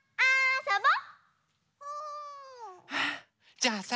じゃあさ